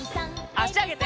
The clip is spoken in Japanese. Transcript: あしあげて。